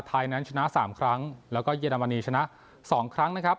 ไทยนั้นชนะ๓ครั้งแล้วก็เยอรมนีชนะ๒ครั้งนะครับ